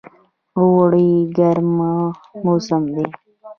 اوړی ګرم موسم دی